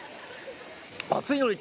熱いのに。